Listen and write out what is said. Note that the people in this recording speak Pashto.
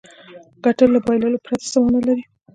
ګټل له بایللو پرته څه معنا لري.